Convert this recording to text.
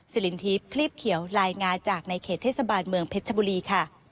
สิรินทิพย์คลีบเขียวรายงานจากในเขตเทศบาลเมืองเพชรชบุรีค่ะ